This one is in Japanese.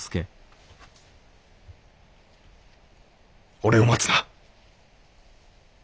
俺を待つな。